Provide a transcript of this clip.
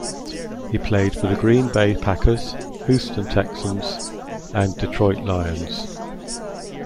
He played for the Green Bay Packers, Houston Texans, and Detroit Lions.